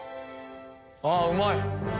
ああうまい。